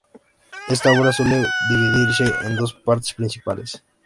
Esta obra puede dividirse en dos partes principales.